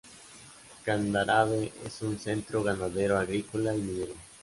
Candarave es un centro ganadero agrícola y minero.